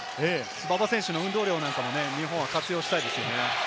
馬場選手の運動量なんかも日本は活用したいですよね。